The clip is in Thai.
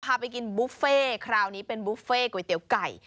พาไปกินบุฟเฟ่คราวนี้เป็นบุฟเฟ่ก๋วยเตี๋ยวไก่